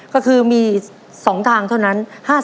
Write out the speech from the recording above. ก็คือมี๒ทางเท่านั้น